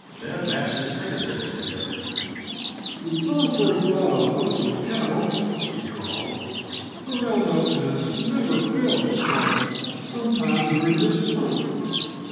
Dad matched his finger tips together. "Since I first bought a bunch of cattle," he drawled, "the round up has never failed to start some time during this month.